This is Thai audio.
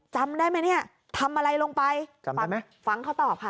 จำได้ไหมเนี่ยทำอะไรลงไปฟังเค้าตอบค่ะ